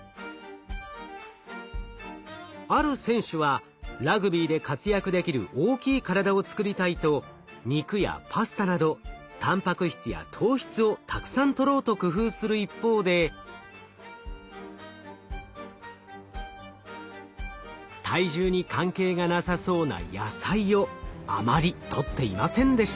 ある選手はラグビーで活躍できる大きい体を作りたいと肉やパスタなどたんぱく質や糖質をたくさんとろうと工夫する一方で体重に関係がなさそうな野菜をあまりとっていませんでした。